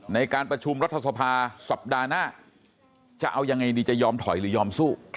ในการประชุมรัฐสภาสัปดาห์หน้าจะเอายังไงดีจะยอมถอยหรือยอมสู้